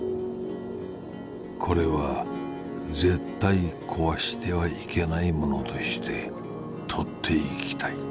「これは絶対こわしてはいけないものとして撮っていきたい。